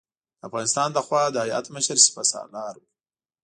د افغانستان له خوا د هیات مشر سپه سالار و.